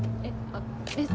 えっ？